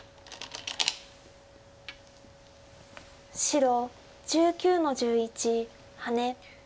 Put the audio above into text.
白１９の十一ハネ。